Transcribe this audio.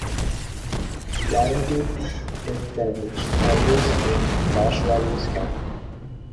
"Guaranteed Death Benefits" always means "Cash Value Scam".